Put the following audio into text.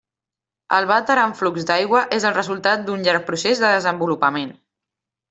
El vàter amb flux d'aigua és el resultat d'un llarg procés de desenvolupament.